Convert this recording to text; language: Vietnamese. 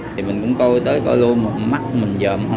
thì mình cũng coi tới coi luôn mắc mình dợm